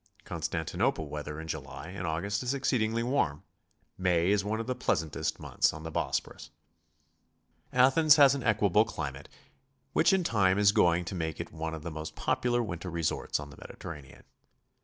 Constantinople weather in July and August is exceedingly warm; May is one of the pleasantest months on the Bosporus. Athens has an equable climate which in time is going to make it one of the most popular winter resorts on the Mediterranean.